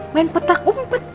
main petak umpet